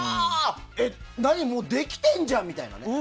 もうできてるじゃん！みたいな。